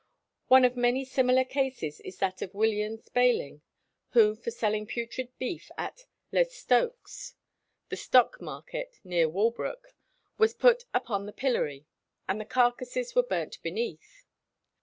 One of many similar cases is that of William Spalyng, who, for selling putrid beef at "les Stokkes," the stocks market near Walbrook, was put upon the pillory, and the carcasses were burnt beneath.